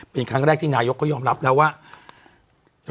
เป็นครั้งแรกที่นายกก็ยอมรับแล้วว่า